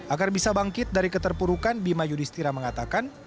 agar bisa bangkit dari keterpurukan bima yudhistira mengatakan